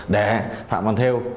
để phạm văn thêu